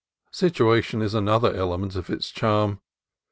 Situation is another element of its charm.